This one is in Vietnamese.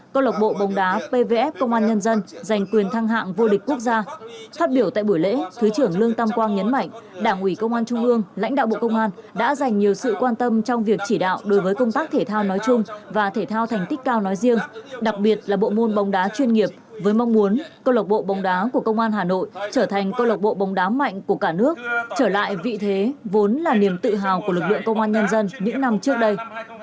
cơ lộc bộ bóng đá pvf công an nhân dân giành quyền thăng hạng vô địch quốc gia phát biểu tại buổi lễ thứ trưởng lương tâm quang nhấn mạnh đảng ủy công an trung ương lãnh đạo bộ công an đã dành nhiều sự quan tâm trong việc chỉ đạo đối với công tác thể thao nói chung và thể thao thành tích cao nói riêng đặc biệt là bộ môn bóng đá chuyên nghiệp với mong muốn cơ lộc bộ bóng đá của công an hà nội trở thành cơ lộc bộ bóng đá mạnh của cả nước trở lại vị thế vốn là niềm tự hào của lực lượng công an nhân dân những năm trước đây